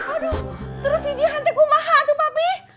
aduh terus si jihan tuh kumaha tuh papi